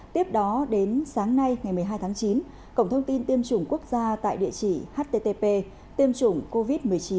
tiếp đó đến sáng nay ngày một mươi hai tháng chín cổng thông tin tiêm chủng quốc gia tại địa chỉ http tiêm chủng covid một mươi chín